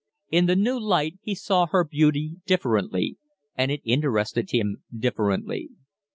In the new light he saw her beauty differently, and it interested him differently.